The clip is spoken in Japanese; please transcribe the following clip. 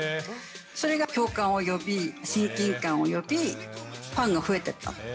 それが共感を呼び、親近感を呼び、ファンが増えてった。